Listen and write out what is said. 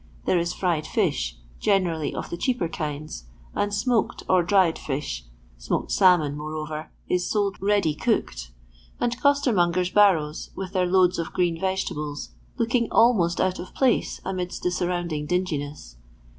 There is fresh fish, generally of the cheaper kinds, and smoked or dried fish (smoked salmon, moreover, is sold ready 38 LONDON LABOUR AND THE LONDON POOR. cooked), and coBtermongen' barrows, with their loads of green vegetables, looking almost out of place amidst the surrounding dinginess.